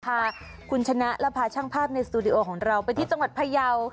พาคุณชนะและพาช่างภาพในสตูดิโอของเราไปที่จังหวัดพยาว